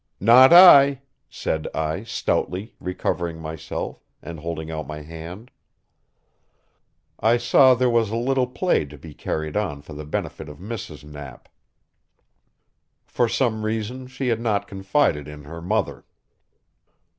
"Not I," said I stoutly, recovering myself, and holding out my hand. I saw there was a little play to be carried on for the benefit of Mrs. Knapp. For some reason she had not confided in her mother.